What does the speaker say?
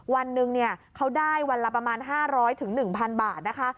วันหนึ่งเขาได้วันละประมาณ๕๐๐๑๐๐บาทนะคะ